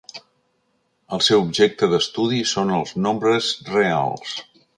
El seu objecte d'estudi són els nombres reals.